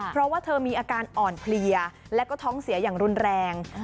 เพราะว่าเธอมีอาการอ่อนเพลียและก็ท้องเสียอย่างรุนแรง